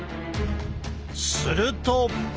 すると。